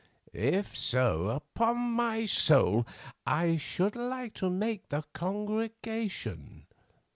If so, upon my soul, I should like to make the congregation.